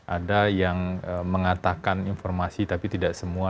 ada yang mengatakan informasi tapi tidak semua